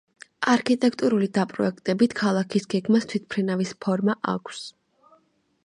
არქიტექტურული დაპროექტებით ქალაქის გეგმას თვითმფრინავის ფორმა აქვს.